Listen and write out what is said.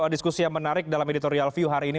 diskusi yang menarik dalam editorial view hari ini